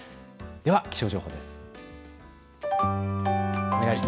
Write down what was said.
では気象情報です。